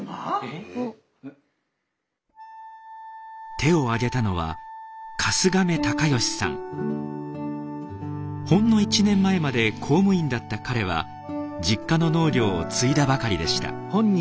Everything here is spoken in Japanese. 手を挙げたのはほんの１年前まで公務員だった彼は実家の農業を継いだばかりでした。